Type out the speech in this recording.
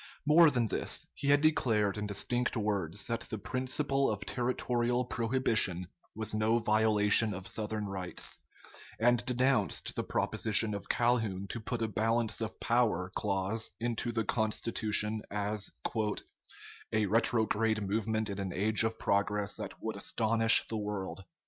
More than this; he had declared in distinct words that the principle of territorial prohibition was no violation of Southern rights; and denounced the proposition of Calhoun to put a "balance of power" clause into the Constitution as "a retrograde movement in an age of progress that would astonish the world."